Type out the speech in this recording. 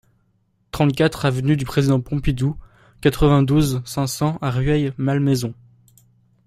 trente-quatre avenue du Président Pompidou, quatre-vingt-douze, cinq cents à Rueil-Malmaison